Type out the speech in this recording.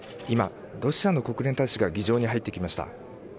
今、ロシアの国連大使が議場に入ってきました。